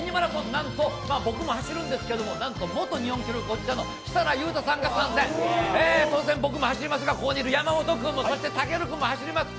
なんと僕も走るんですけどなんと元日本記録保持者の設楽悠太さんが参戦当然、僕も走りますが、ここにいる山本君もそしてたける君も走ります。